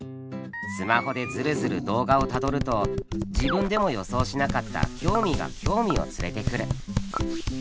スマホでヅルヅル動画をたどると自分でも予想しなかった興味が興味を連れてくる。